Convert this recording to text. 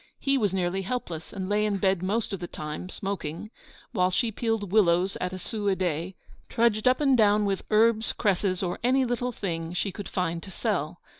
He was nearly helpless, and lay in bed most of the time, smoking, while she peeled willows at a sou a day, trudged up and down with herbs, cresses, or any little thing she could find to sell.